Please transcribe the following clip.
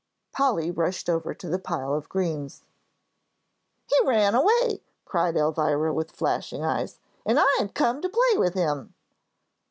Polly rushed over to the pile of greens. "He ran away," cried Elvira, with flashing eyes, "an' I had come to play with him."